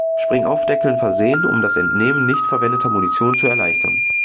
Spring-Auf-Deckeln versehen, um das Entnehmen nicht verwendeter Munition zu erleichtern.